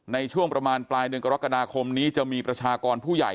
ในช่วงประมาณปลายเดือนกรกฎาคมนี้จะมีประชากรผู้ใหญ่